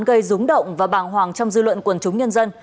gây rúng động và bàng hoàng trong dư luận quần chúng nhân dân